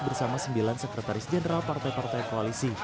bersama sembilan sekretaris jenderal partai partai koalisi